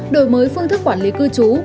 đổi mới phương thức quản lý cư trú